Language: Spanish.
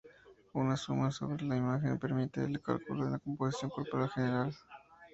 Una suma sobre toda la imagen permite el cálculo de la composición corporal general.